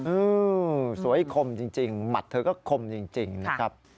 เออสวยคมจริงหมัดเธอก็คมจริงนะครับ